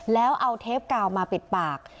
แล้วเอาเทปกาวมาปิดปาก